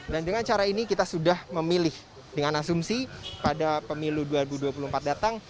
dan dengan cara ini kita sudah memilih dengan asumsi pada pemilu dua ribu dua puluh empat datang